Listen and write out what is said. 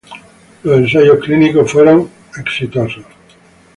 Los ensayos clínicos en monos Rhesus fueron exitosos.